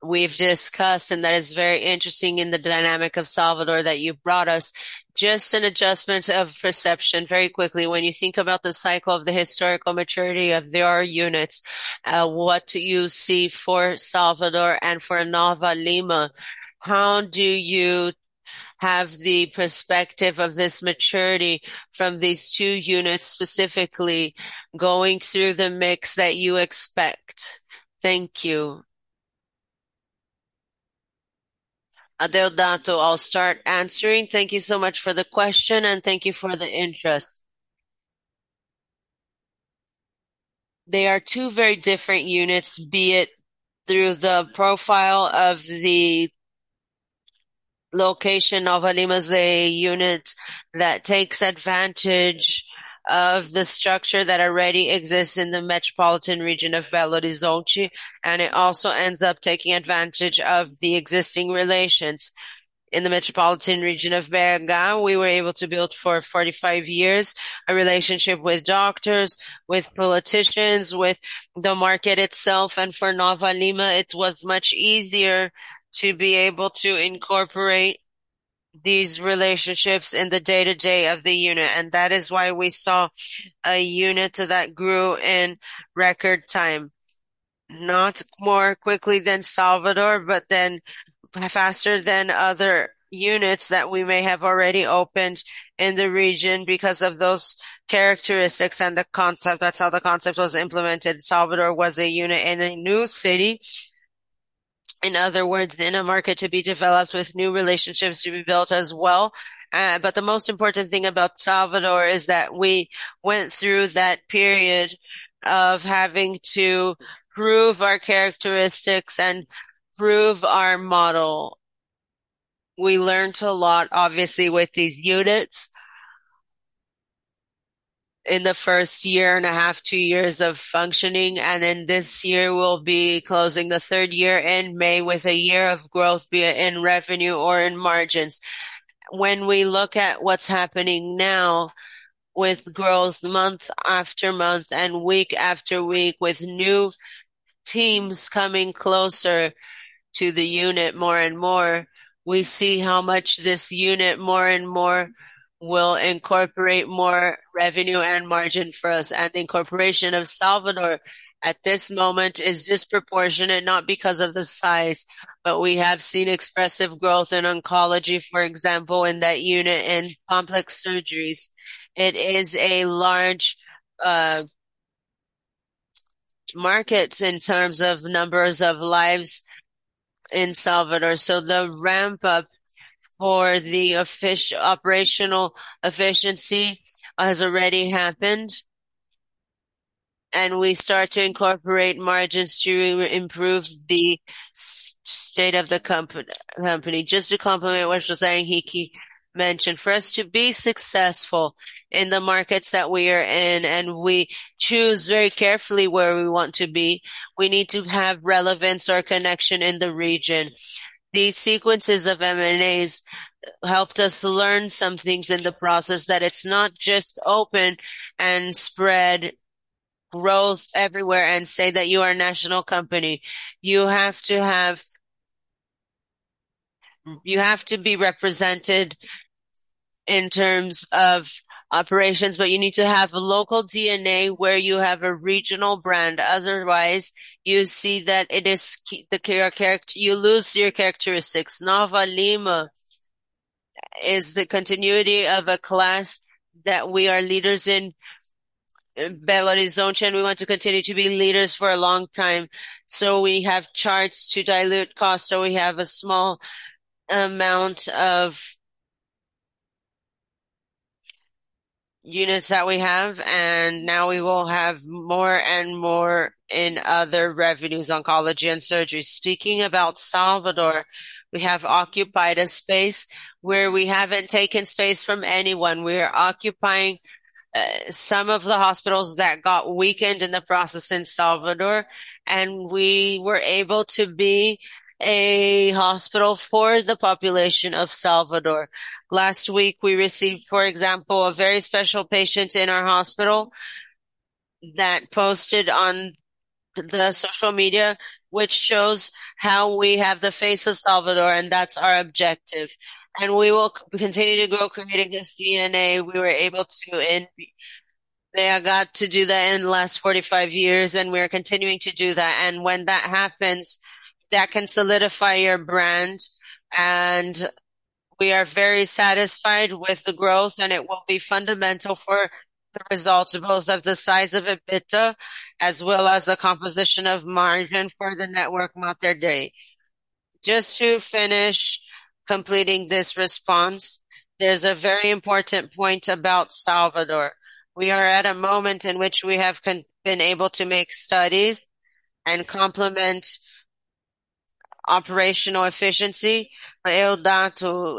we've discussed and that is very interesting in the dynamic of Salvador that you brought us, just an adjustment of perception very quickly. When you think about the cycle of the historical maturity of your units, what do you see for Salvador and for Nova Lima? How do you have the perspective of this maturity from these two units specifically going through the mix that you expect? Thank you. Adéodato, I'll start answering. Thank you so much for the question, and thank you for the interest. They are two very different units, be it through the profile of the location, Nova Lima's unit that takes advantage of the structure that already exists in the Metropolitan Region of Belo Horizonte, and it also ends up taking advantage of the existing relations in the Metropolitan Region of Belo Horizonte. We were able to build for 45 years a relationship with doctors, with politicians, with the market itself. For Nova Lima, it was much easier to be able to incorporate these relationships in the day-to-day of the unit. That is why we saw a unit that grew in record time, not more quickly than Salvador, but then faster than other units that we may have already opened in the region because of those characteristics and the concept. That is how the concept was implemented. Salvador was a unit in a new city. In other words, in a market to be developed with new relationships to be built as well. The most important thing about Salvador is that we went through that period of having to prove our characteristics and prove our model. We learned a lot, obviously, with these units in the first year and a half, two years of functioning. In this year, we will be closing the third year in May with a year of growth, be it in revenue or in margins. When we look at what's happening now with growth month after month and week after week with new teams coming closer to the unit more and more, we see how much this unit more and more will incorporate more revenue and margin for us. The incorporation of Salvador at this moment is disproportionate, not because of the size, but we have seen expressive growth in oncology, for example, in that unit in complex surgeries. It is a large market in terms of numbers of lives in Salvador. The ramp-up for the operational efficiency has already happened. We start to incorporate margins to improve the state of the company. Just to complement what José Henrique mentioned, for us to be successful in the markets that we are in and we choose very carefully where we want to be, we need to have relevance or connection in the region. These sequences of M&As helped us learn some things in the process that it is not just open and spread growth everywhere and say that you are a national company. You have to be represented in terms of operations, but you need to have a local DNA where you have a regional brand. Otherwise, you see that it is the character, you lose your characteristics. Nova Lima is the continuity of a class that we are leaders in Belo Horizonte, and we want to continue to be leaders for a long time. We have charts to dilute costs. We have a small amount of units that we have, and now we will have more and more in other revenues, oncology and surgery. Speaking about Salvador, we have occupied a space where we have not taken space from anyone. We are occupying some of the hospitals that got weakened in the process in Salvador, and we were able to be a hospital for the population of Salvador. Last week, we received, for example, a very special patient in our hospital that posted on the social media, which shows how we have the face of Salvador, and that's our objective. We will continue to grow, creating this DNA. We were able to, and they got to do that in the last 45 years, and we are continuing to do that. When that happens, that can solidify your brand. We are very satisfied with the growth, and it will be fundamental for the results, both of the size of EBITDA as well as the composition of margin for the network Mater Dei. Just to finish completing this response, there's a very important point about Salvador. We are at a moment in which we have been able to make studies and complement operational efficiency. Adéodato,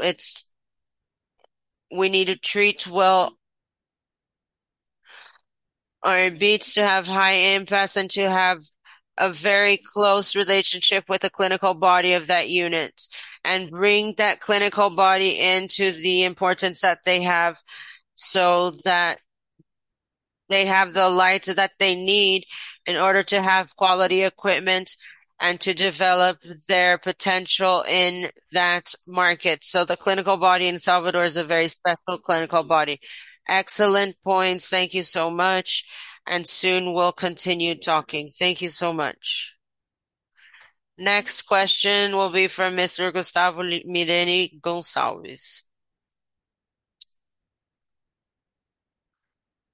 we need to treat well our beds to have high impasses and to have a very close relationship with the clinical body of that unit and bring that clinical body into the importance that they have so that they have the light that they need in order to have quality equipment and to develop their potential in that market. The clinical body in Salvador is a very special clinical body. Excellent points. Thank you so much. Soon we'll continue talking. Thank you so much. Next question will be from Mr. Gustavo Mireni Gonçalves.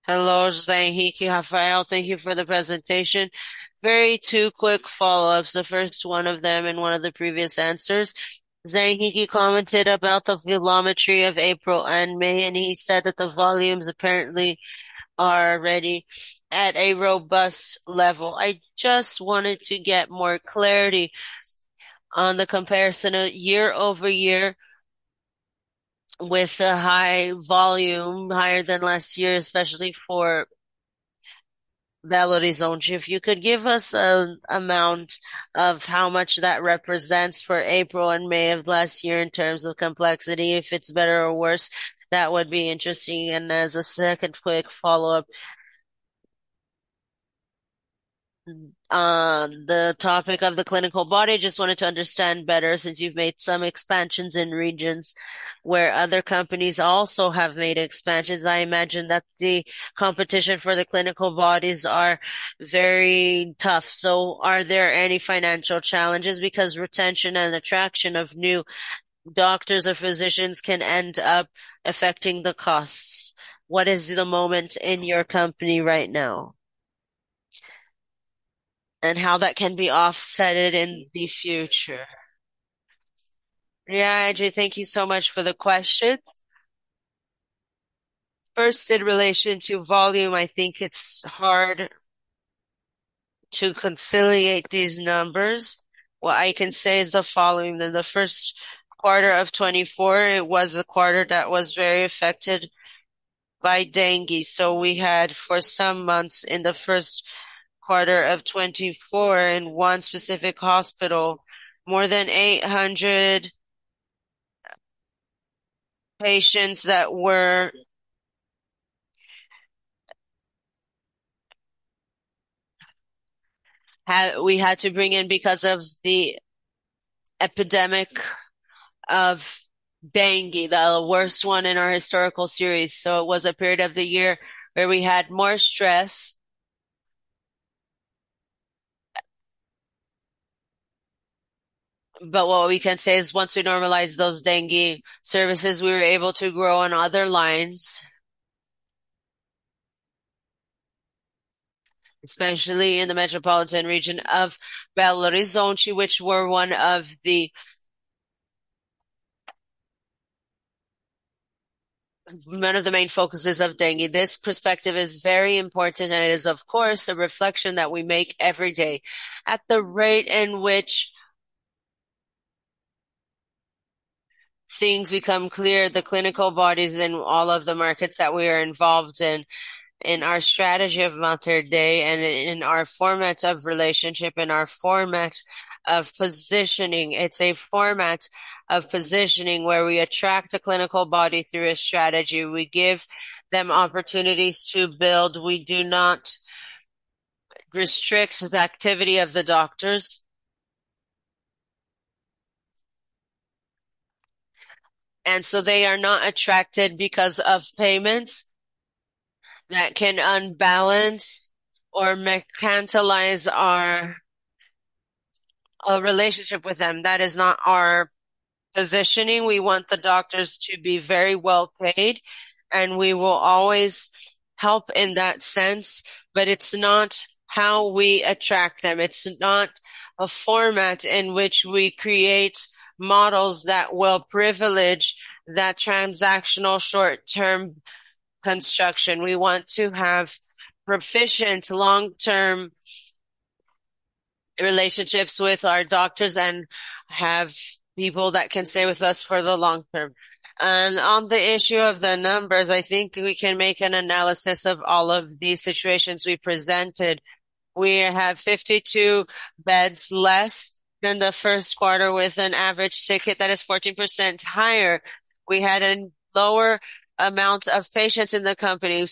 Hello, Zahinkipi. Rafael, thank you for the presentation. Two very quick follow-ups. The first one of them in one of the previous answers. Zahinkipi commented about the velometry of April and May, and he said that the volumes apparently are already at a robust level. I just wanted to get more clarity on the comparison year over year with a high volume, higher than last year, especially for Belo Horizonte. If you could give us an amount of how much that represents for April and May of last year in terms of complexity, if it's better or worse, that would be interesting. As a second quick follow-up on the topic of the clinical body, I just wanted to understand better since you've made some expansions in regions where other companies also have made expansions. I imagine that the competition for the clinical bodies is very tough. Are there any financial challenges? Because retention and attraction of new doctors or physicians can end up affecting the costs. What is the moment in your company right now? And how that can be offsetted in the future? Yeah, Ajay, thank you so much for the question. First, in relation to volume, I think it's hard to conciliate these numbers. What I can say is the following. In the first quarter of 2024, it was a quarter that was very affected by dengue. We had, for some months in the first quarter of 2024, in one specific hospital, more than 800 patients that we had to bring in because of the epidemic of dengue, the worst one in our historical series. It was a period of the year where we had more stress. What we can say is once we normalized those dengue services, we were able to grow on other lines, especially in the Metropolitan Region of Belo Horizonte, which were one of the main focuses of dengue. This perspective is very important, and it is, of course, a reflection that we make every day. At the rate in which things become clear, the clinical bodies in all of the markets that we are involved in, in our strategy of Mater Dei and in our format of relationship, in our format of positioning, it's a format of positioning where we attract a clinical body through a strategy. We give them opportunities to build. We do not restrict the activity of the doctors. They are not attracted because of payments that can unbalance or tantalize our relationship with them. That is not our positioning. We want the doctors to be very well paid, and we will always help in that sense, but it's not how we attract them. It's not a format in which we create models that will privilege that transactional short-term construction. We want to have proficient long-term relationships with our doctors and have people that can stay with us for the long term. On the issue of the numbers, I think we can make an analysis of all of these situations we presented. We have 52 beds less than the first quarter with an average ticket that is 14% higher. We had a lower amount of patients in the company.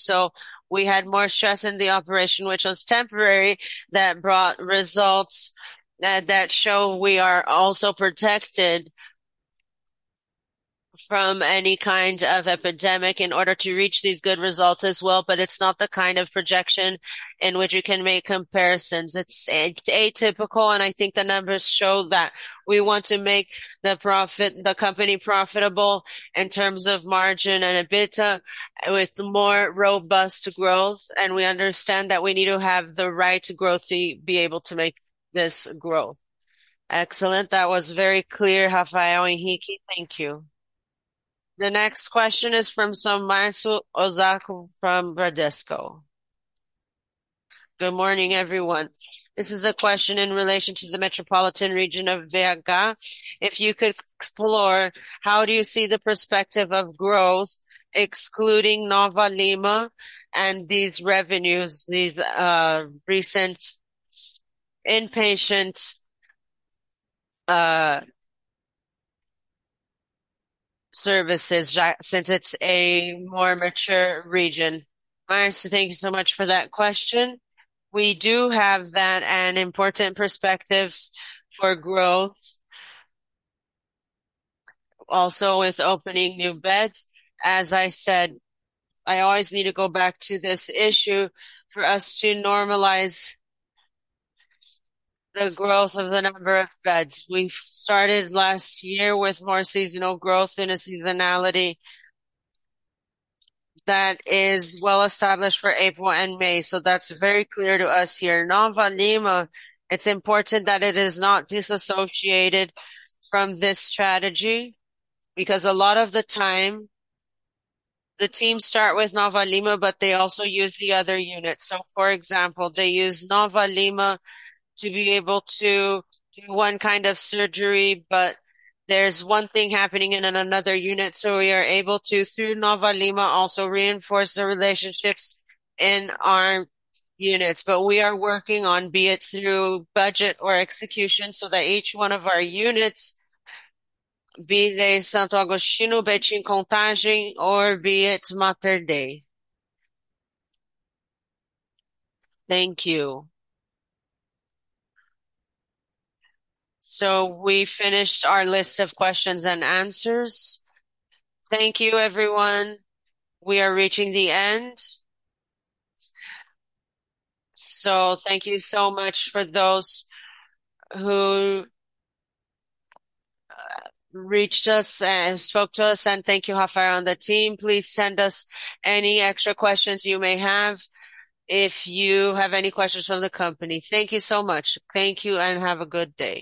We had more stress in the operation, which was temporary, that brought results that show we are also protected from any kind of epidemic in order to reach these good results as well. It is not the kind of projection in which you can make comparisons. It is atypical, and I think the numbers show that we want to make the company profitable in terms of margin and EBITDA with more robust growth. We understand that we need to have the right growth to be able to make this grow. Excellent. That was very clear, Rafael. Thank you. The next question is from Somar Ozak from Verdisco. Good morning, everyone. This is a question in relation to the Metropolitan Region of Belo Horizonte. If you could explore, how do you see the perspective of growth, excluding Nova Lima and these revenues, these recent inpatient services since it is a more mature region? Thank you so much for that question. We do have that and important perspectives for growth. Also, with opening new beds, as I said, I always need to go back to this issue for us to normalize the growth of the number of beds. We started last year with more seasonal growth and a seasonality that is well established for April and May. That is very clear to us here. Nova Lima, it is important that it is not disassociated from this strategy because a lot of the time the teams start with Nova Lima, but they also use the other units. For example, they use Nova Lima to be able to do one kind of surgery, but there is one thing happening in another unit. We are able to, through Nova Lima, also reinforce the relationships in our units. We are working on, be it through budget or execution, so that each one of our units, be they Santo Agostinho, Contágio, or be it Mater Dei. Thank you. We finished our list of questions and answers. Thank you, everyone. We are reaching the end. Thank you so much for those who reached us and spoke to us. Thank you, Rafael, and the team. Please send us any extra questions you may have if you have any questions from the company. Thank you so much. Thank you and have a good day.